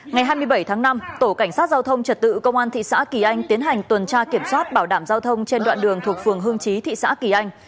ngày hai mươi bảy tháng năm tổ cảnh sát giao thông trật tự công an thị xã kỳ anh tiến hành tuần tra kiểm soát bảo đảm giao thông trên đoạn đường thuộc phường hương trí thị xã kỳ anh